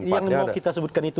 yang mau kita sebutkan itu